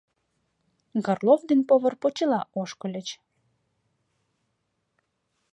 Горлов ден повар почела ошкыльыч.